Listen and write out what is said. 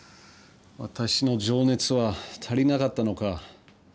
私の情熱は足りなかったのか。